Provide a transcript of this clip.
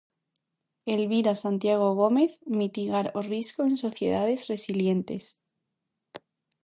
Elvira Santiago Gómez: Mitigar o risco en sociedades resilientes.